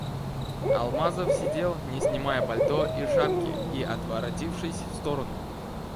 Алмазов сидел, не снимая пальто и шапки и отворотившись в сторону...